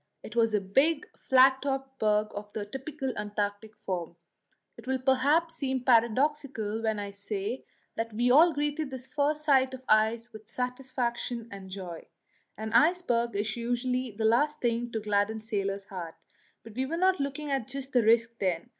It was a big, flat topped berg of the typical Antarctic form. It will perhaps seem paradoxical when I say that we all greeted this first sight of the ice with satisfaction and joy; an iceberg is usually the last thing to gladden sailors' hearts, but we were not looking at the risk just then.